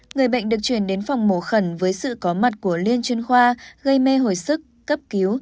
người bệnh được chuyển đến phòng mổ khẩn với sự có mặt của liên chuyên khoa gây mê hồi sức cấp cứu